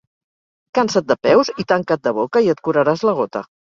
Cansa't de peus i tanca't de boca i et curaràs la gota.